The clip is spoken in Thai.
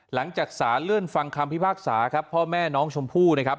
หลังจากสารเลื่อนฟังคำพิพากษาครับพ่อแม่น้องชมพู่นะครับ